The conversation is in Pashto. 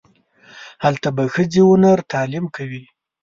هلته به ښځې و نر تعلیم کوي.